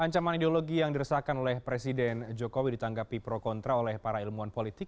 ancaman ideologi yang diresahkan oleh presiden jokowi ditanggapi pro kontra oleh para ilmuwan politik